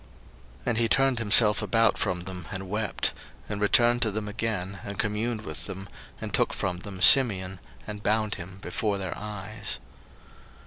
01:042:024 And he turned himself about from them, and wept; and returned to them again, and communed with them, and took from them Simeon, and bound him before their eyes.